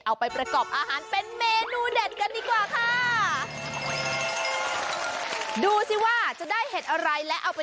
เอาไปประกอบอาหารเป็นเมนูเด็ดกันดีกว่าค่ะดูสิว่าจะได้เห็ดอะไรและเอาไป